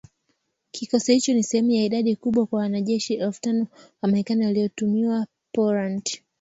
Kikosi hicho ni sehemu ya idadi kubwa ya wanajeshi elfu tano wa Marekani waliotumwa Poland